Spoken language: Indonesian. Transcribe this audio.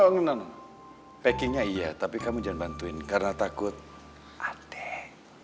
ngena dua packingnya iya tapi kamu jangan bantuin karena takut adek